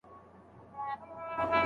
موسیقي واورئ او ژوند ته موسک سئ.